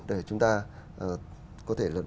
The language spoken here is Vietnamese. để chúng ta có thể